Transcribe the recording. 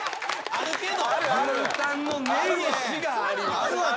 あるある。